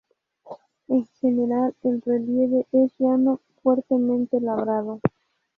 En general el relieve es llano, fuertemente labrado.